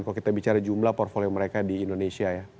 kalau kita bicara jumlah portfolio mereka di indonesia ya